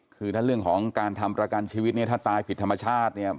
คือถ้าเรื่องของการทำประกันชีวิตเนี่ยถ้าตายผิดธรรมชาติเนี่ย